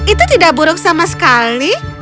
itu tidak buruk sama sekali